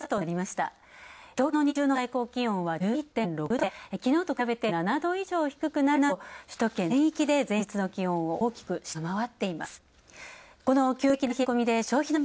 東京の日中の最高気温は１１．６度できのうと比べて７度以上低くなるなど首都圏全域で前日の気温を大きく下回っています。